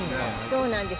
そうなんです。